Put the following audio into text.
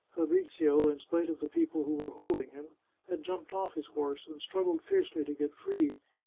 Fabrizio, in spite of the people who were holding him, had jumped off his horse, and struggled fiercely to get free.